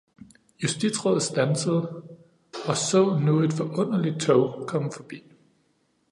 justitsråden standsede og så nu et forunderligt tog komme forbi.